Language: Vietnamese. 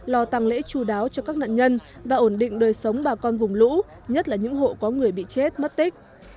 lo tăng lễ chú đáo cho các nạn nhân và ổn định đời sống bà con vùng lũ nhất là những hộ có người bị chết mất tích